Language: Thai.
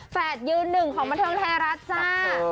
แฝดยืนหนึ่งของบรรทางแทรรัฐจ้า